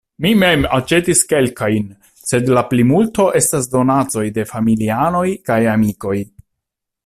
Mi mem aĉetis kelkajn, sed la plimulto estas donacoj de familianoj kaj amikoj.